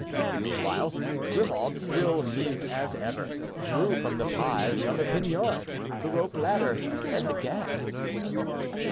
Meanwhile, Grimaud, still mute as ever, drew from the pie the other poniard, the rope ladder and the gag.